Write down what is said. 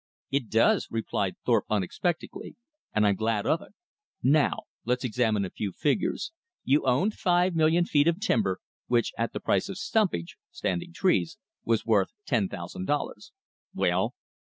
"It does," replied Thorpe unexpectedly, "and I'm glad of it. Now let's examine a few figures. You owned five million feet of timber, which at the price of stumpage" (standing trees) "was worth ten thousand dollars." "Well."